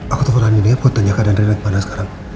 aku telfon andina buat tanya keadaan reina gimana sekarang